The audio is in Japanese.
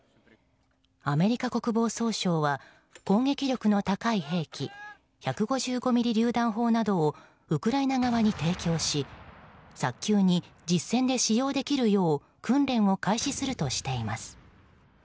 アメリカ国防総省は攻撃力の高い兵器１５５ミリりゅう弾砲などをウクライナ側に提供し早急に実戦で使用できるよう訓練を開始するとしています。